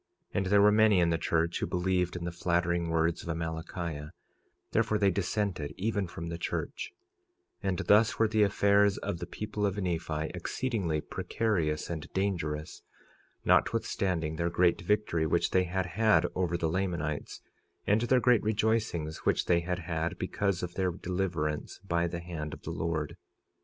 46:7 And there were many in the church who believed in the flattering words of Amalickiah, therefore they dissented even from the church; and thus were the affairs of the people of Nephi exceedingly precarious and dangerous, notwithstanding their great victory which they had had over the Lamanites, and their great rejoicings which they had had because of their deliverance by the hand of the Lord.